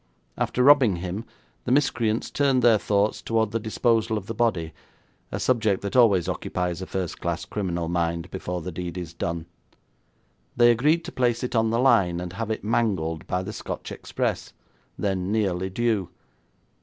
After robbing him, the miscreants turned their thoughts towards the disposal of the body a subject that always occupies a first class criminal mind before the deed is done. They agreed to place it on the line, and have it mangled by the Scotch Express, then nearly due.